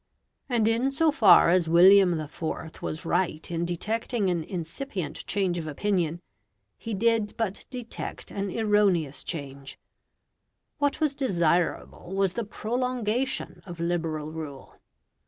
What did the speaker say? And in so far as William IV. was right in detecting an incipient change of opinion, he did but detect an erroneous change. What was desirable was the prolongation of Liberal rule.